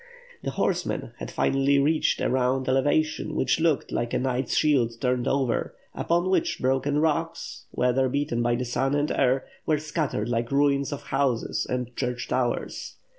The horsemen had finally reached a round eleva tion, which looked like a knight's shield turned over, upon which broken rocks, weather beaten by the sun and air, were scattered like ruins of houses and church towers.